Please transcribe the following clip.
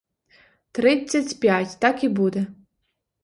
Тридцять п'ять — так і буде!